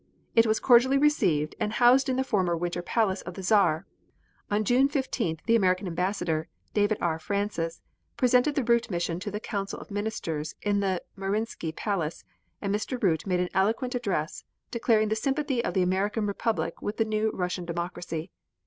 It was cordially received, and housed in the former Winter Palace of the Czar. On June 15th the American Ambassador, David R. Francis, presented the Root mission to the Council of Ministers in the Marinsky Palace, and Mr. Root made an eloquent address, declaring the sympathy of the American Republic with the new Russian Democracy.